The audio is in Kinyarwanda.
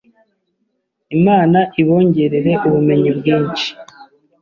Imana ibongerere ubumenyi bwinshi